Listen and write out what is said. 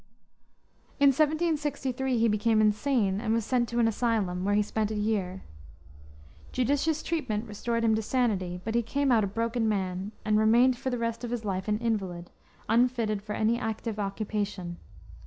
In 1763 he became insane and was sent to an asylum, where he spent a year. Judicious treatment restored him to sanity, but he came out a broken man and remained for the rest of his life an invalid, unfitted for any active occupation.